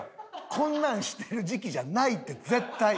こんなんしてる時期じゃないって絶対！